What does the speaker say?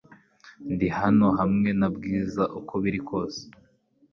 Ndi hano hamwe na Bwiza uko biri kose